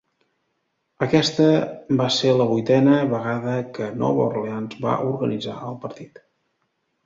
Aquesta va ser la vuitena vegada que Nova Orleans va organitzar el partit.